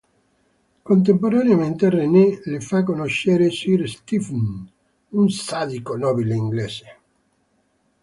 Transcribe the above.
Contemporaneamente René le fa conoscere Sir Stephen, un sadico nobile inglese.